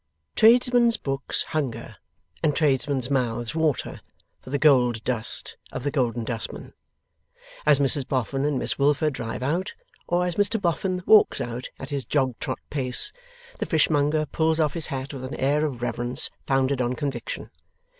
Tradesmen's books hunger, and tradesmen's mouths water, for the gold dust of the Golden Dustman. As Mrs Boffin and Miss Wilfer drive out, or as Mr Boffin walks out at his jog trot pace, the fishmonger pulls off his hat with an air of reverence founded on conviction.